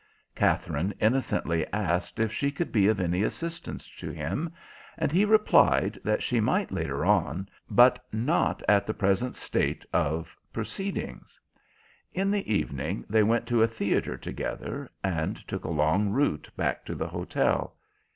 Katherine innocently asked if she could be of any assistance to him, and he replied that she might later on, but not at the present state of proceedings. In the evening they went to a theatre together, and took a long route back to the hotel.